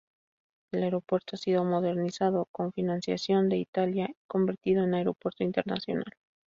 El aeropuerto ha sido modernizado con financiación de Italia y convertido en aeropuerto internacional.